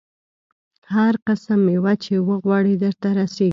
هر قسم مېوه چې وغواړې درته رسېږي.